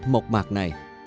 mộc mạc này